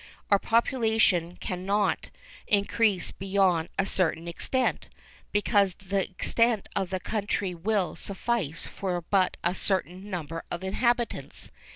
Our population cannot increase beyond a certain extent, because the extent of the country will suffice for but a certain number of inhabitants.